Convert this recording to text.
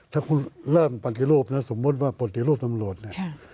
ถ้าคุณเริ่มปฏิรูปน้ำสมมุติปฏิรูปน้ำพลวช